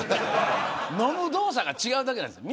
飲む動作が違うだけです。